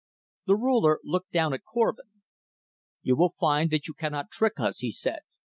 The Ruler looked down at Korvin. "You will find that you cannot trick us," he said.